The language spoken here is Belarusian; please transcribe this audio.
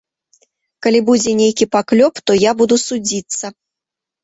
Калі будзе нейкі паклёп, то я буду судзіцца.